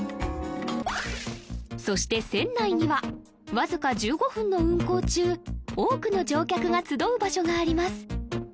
そして船内にはわずか１５分の運航中多くの乗客が集う場所があります